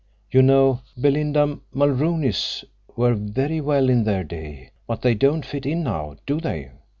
"You know, Belinda Mulrooneys were very well in their day, but they don't fit in now, do they?